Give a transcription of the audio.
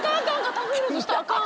タフィ・ローズしたらあかん。